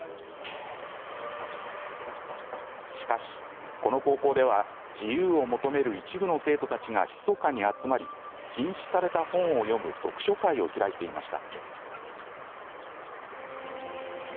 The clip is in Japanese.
しかし、この高校では自由を求める一部の生徒たちがひそかに集まり、禁止された本を読む読書会を開いていました。